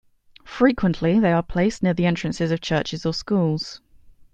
Frequently they are placed near the entrances of churches or schools.